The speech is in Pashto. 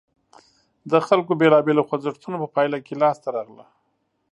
د خلکو بېلابېلو خوځښتونو په پایله کې لاسته راغله.